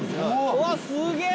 うわっすげえ！